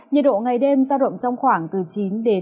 nhiệt độ ngày đêm ra động trong khoảng từ chín hai mươi độ